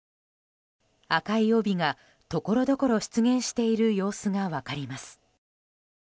赤い帯がところどころ出現している様子が分かります。